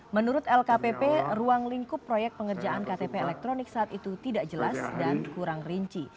menurut lkpp ruang lingkup proyek pengerjaan ktp elektronik saat itu tidak jelas dan kurang rinci